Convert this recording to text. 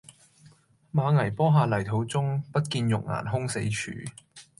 馬嵬坡下泥土中，不見玉顏空死處。